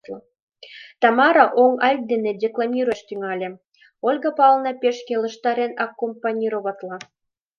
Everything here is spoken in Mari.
Тамара оҥ альт дене декламируяш тӱҥале, Ольга Павловна пеш келыштарен аккомпанироватла: